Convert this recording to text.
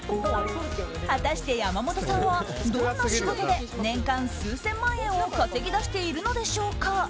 果たして、山本さんはどんな仕事で年間数千万円を稼ぎ出しているのでしょうか。